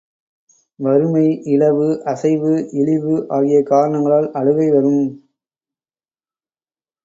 வறுமை, இழவு, அசைவு, இழிவு, ஆகிய காரணங்களால் அழுகை வரும்.